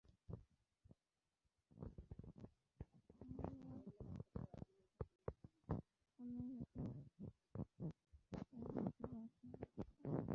তোমরা কোনরকমে পৌঁছেছ, বাছারা।